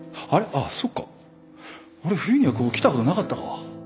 あっそっか俺冬にはここ来たことなかったか